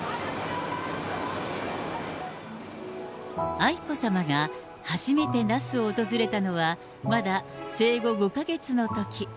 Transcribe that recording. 愛子さまが初めて那須を訪れたのは、まだ生後５か月のとき。